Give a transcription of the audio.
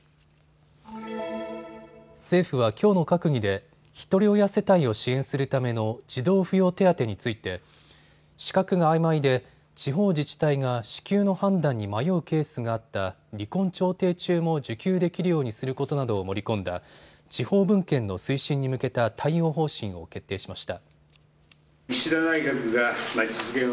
政府はきょうの閣議でひとり親世帯を支援するための児童扶養手当について資格があいまいで地方自治体が支給の判断に迷うケースがあった離婚調停中も受給できるようにすることなどを盛り込んだ地方分権の推進に向けた対応方針を決定しました。